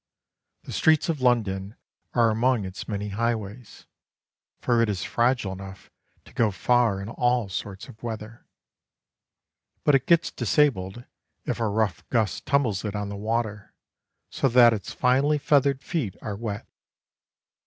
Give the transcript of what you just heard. The streets of London are among its many highways, for it is fragile enough to go far in all sorts of weather. But it gets disabled if a rough gust tumbles it on the water so that its finely feathered feet are wet.